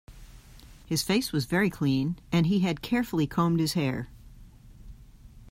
His face was very clean, and he had carefully combed his hair